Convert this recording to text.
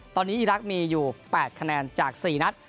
ตอนนี้อีรักษ์มีอยู่๘คะแนนจาก๔นัด